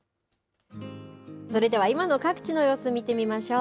それでは今の各地の様子を見てみましょう。